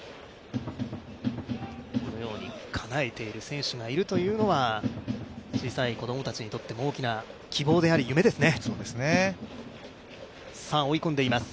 このようにかなえている選手がいるというのは、小さい子供たちにとっても大きな希望であり、夢ですね。